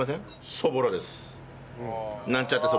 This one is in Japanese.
そぼろです。